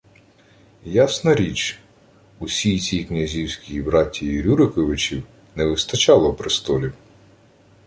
Ясна річ, усій цій князівській братії Рюриковичів не вистачало «престолів»